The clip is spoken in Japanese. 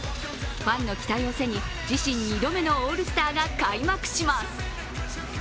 ファンの期待を背に自身２度目のオールスターに臨みます。